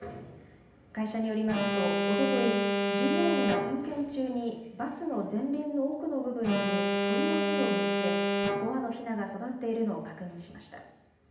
会社によりますと、おととい、従業員が点検中にバスの前輪の奥の部分に鳥の巣を見つけ５羽のひなが育っているのを確認しました。